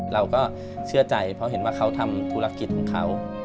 เราก็เชื่อใจเพราะเห็นว่าเขาทำธุรกิจของเขา